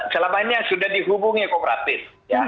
selama ini sudah dihubungi kooperatif